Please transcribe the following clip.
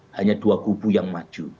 hanya dua kubu yang maju